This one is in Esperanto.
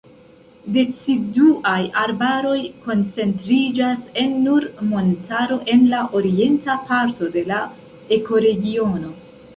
Deciduaj arbaroj koncentriĝas en Nur-Montaro en la orienta parto de la ekoregiono.